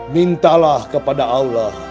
mintalah kepada allah